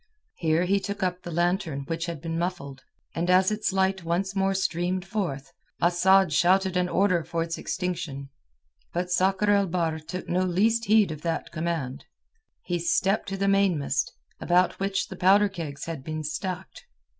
Here he took up the lantern which had been muffled, and as its light once more streamed forth, Asad shouted an order for its extinction. But Sakr el Bahr took no least heed of that command. He stepped to the mainmast, about which the powder kegs had been stacked.